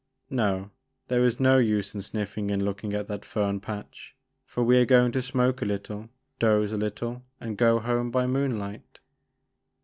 No, there is no use in sniffing and looking at that fern patch, for we are going to smoke a little, doze a little, and go home by moonlight.